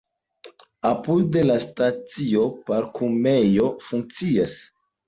Apud la stacio parkumejo funkcias.